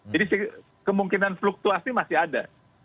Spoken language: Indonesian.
jadi kemungkinan fluktuasi masih ada